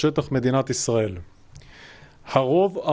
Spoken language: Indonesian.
di luar kawasan kota israel dengan perang terhadap kita